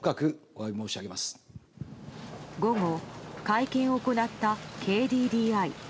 午後、会見を行ったＫＤＤＩ。